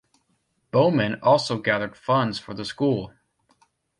Bowman also gathered funds for the school.